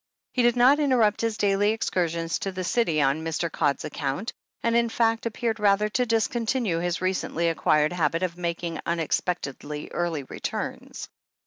He did not interrupt his daily excursions to the City on Mr. Codd's account, and, in fact, appeared rather to discontinue his recently acquired habit of making unexpectedly early returns.